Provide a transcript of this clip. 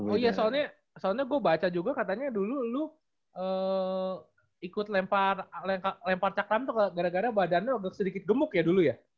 oh iya soalnya soalnya gue baca juga katanya dulu lo ikut lempar cakram tuh gara gara badan lo agak sedikit gemuk ya dulu ya